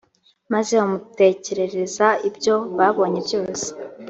maze bamutekerereza ibyo babonye byose.